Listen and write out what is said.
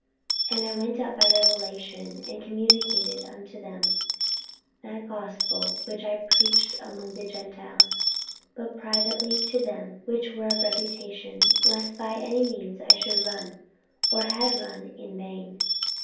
48:002:002 And I went up by revelation, and communicated unto them that gospel which I preach among the Gentiles, but privately to them which were of reputation, lest by any means I should run, or had run, in vain.